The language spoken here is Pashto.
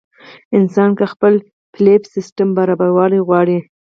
انسان کۀ خپل بيليف سسټم برابرول غواړي